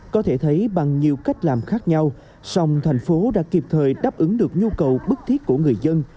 có thể thấy bằng nhiều cách làm khác nhau song thành phố đã kịp thời đáp ứng được nhu cầu bức thiết của người dân